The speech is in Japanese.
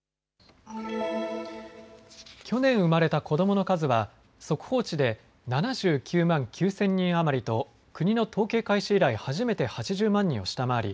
去年生まれた子どもの数は速報値で７９万９０００人余りと国の統計開始以来、初めて８０万人を下回り